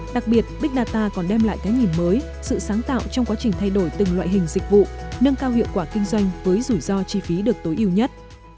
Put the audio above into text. đặc biệt big data còn đem lại cái nhìn mới sự sáng tạo trong quá trình thay đổi từng loại hình dịch vụ nâng cao hiệu quả kinh doanh với rủi ro chi phí được tối ưu nhất